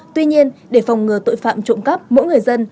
tuy nhiên để phòng ngừa tội phạm trộm cắp mỗi người dân